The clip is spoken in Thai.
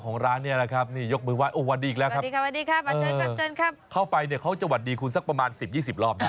เพราะว่าดีตอบยังไงจริงมันก็เป็นเรื่องน่ารักดีนะ